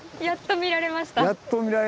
やっと見られましたね